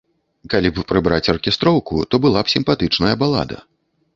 Калі б прыбраць аркестроўку, то была б сімпатычная балада.